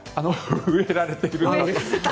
植えられているので。